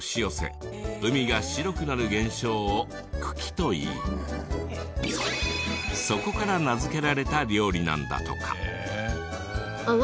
海が白くなる現象を群来といいそこから名付けられた料理なんだとか。